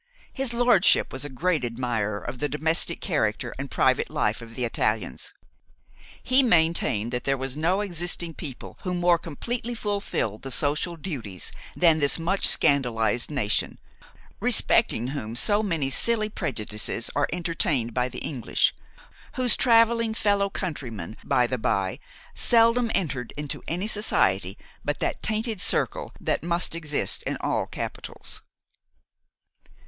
His lordship was a great admirer of the domestic character and private life of the Italians. He maintained that there was no existing people who more completely fulfilled the social duties than this much scandalised nation, respecting whom so many silly prejudices are entertained by the English, whose travelling fellow countrymen, by the bye, seldom enter into any society but that tainted circle that must exist in all capitals.